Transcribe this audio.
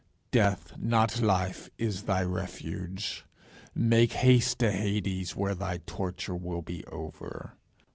Death, not Life, is thy refuge. Make haste to Hades, where thy torture will be over.